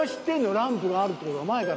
ランプがあるってことは前から。